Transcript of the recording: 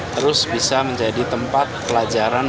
terus bisa menjadi tempat pelajaran